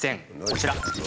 こちら。